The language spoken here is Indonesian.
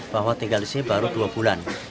bahwa tinggal di sini baru dua bulan